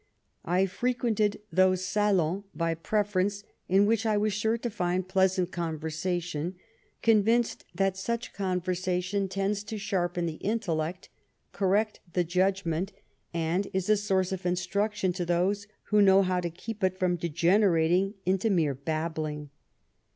I frequented those salons by preference in which I was sure to find pleasant conversation, convinced that such conversation tends to sharpen the intellect, correct the judgment, and is a source of instruction to those who know how to keep it from degenerating into mere babbling."